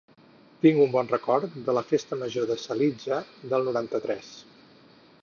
Tinc un bon record de la festa major de Salitja del noranta-tres